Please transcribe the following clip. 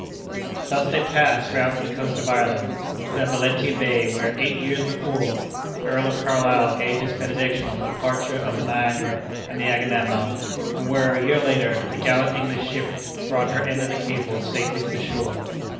Thus they passed round to the coast of Ireland, to that Valentia Bay where, eight years before, the Earl of Carlisle gave his benediction on the departure of the Niagara and the Agamemnon, and where, a year later, the gallant English ship brought her end of the cable safely to the shore.